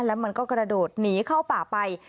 แล้วมันก็กระโดดหนีเข้าป่าไป